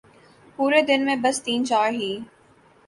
پورے دن میں بس تین چار ہی ۔